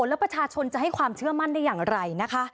แล้วประชาชนจะให้ความเชื่อมั่นได้อย่างไรนะคะ